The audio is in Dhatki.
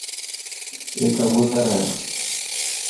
اي ڪبوتر هي.